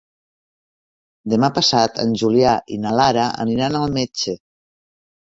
Demà passat en Julià i na Lara aniran al metge.